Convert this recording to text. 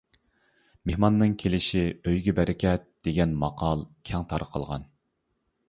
«مېھماننىڭ كېلىشى ئۆيگە بەرىكەت» دېگەن ماقال كەڭ تارقالغان.